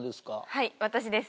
はい私です。